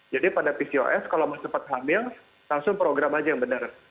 jadi pada pcos kalau mau cepat hamil langsung program aja yang benar